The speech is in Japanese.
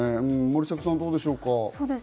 森迫さん、どうでしょう？